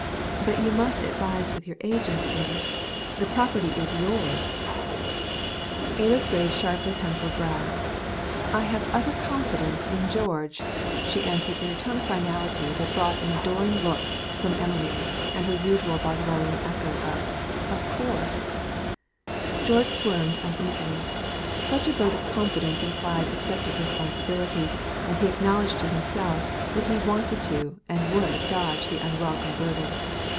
"But you must advise with your agent, Alys. The property is yours." Alys raised sharply penciled brows. "I have utter confidence in George," she answered in a tone of finality that brought an adoring look from Emelene, and her usual Boswellian echo: "Of course." George squirmed uneasily. Such a vote of confidence implied accepted responsibility, and he acknowledged to himself that he wanted to and would dodge the unwelcome burden.